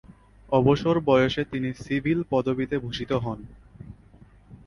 অবসর বয়সে তিনি সিভিল পদবীতে ভূষিত হন।